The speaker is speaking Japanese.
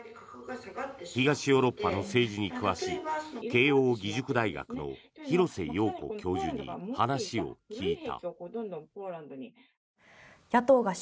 東ヨーロッパの政治に詳しい慶應義塾大学の廣瀬陽子教授に話を聞いた。